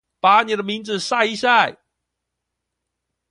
把你的名字曬一曬